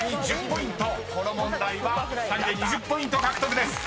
［この問題は２人で２０ポイント獲得です］